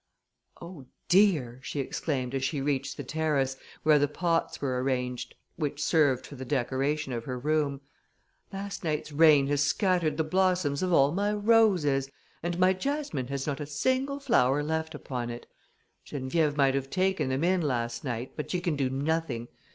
"Oh, dear," she exclaimed, as she reached the terrace, where the pots were arranged, which served for the decoration of her room, "last night's rain has scattered the blossoms of all my roses, and my jasmine has not a single flower left upon it. Geneviève might have taken them in last night, but she can do nothing.